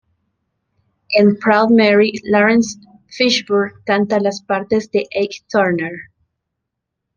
En ""Proud Mary"", Laurence Fishburne canta las partes de Ike Turner.